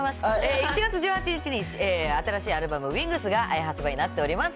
１月１８日に、新しいアルバム、ＷＩＮＧＳが発売になっております。